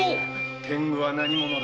天狗は何者だ？